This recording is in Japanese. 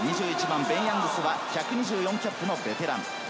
ベン・ヤングスは１２４キャップのベテラン。